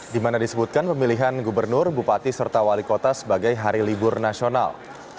di mana disebutkan pemilihan gubernur bupati serta wali kota sebagai hari libur nasional